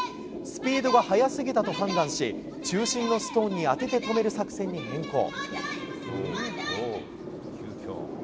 スピードが速すぎたと判断し、中心のストーンに当てて止める作戦に変更。